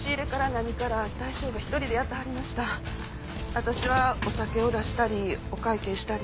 私はお酒を出したりお会計したり。